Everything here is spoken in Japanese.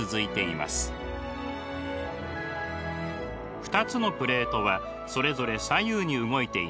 ２つのプレートはそれぞれ左右に動いています。